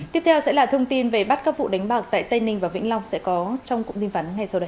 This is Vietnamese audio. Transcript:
tiếp theo sẽ là thông tin về bắt các vụ đánh bạc tại tây ninh và vĩnh long sẽ có trong cụm tin vắn ngay sau đây